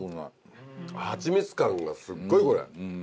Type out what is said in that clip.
ハチミツ感がすっごいこれ。